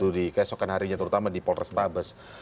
di keesokan harinya terutama di polres tabes